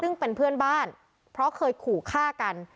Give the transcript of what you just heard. ซึ่งเป็นเพื่อนบ้านเพราะเคยขู่ฆ่ากัน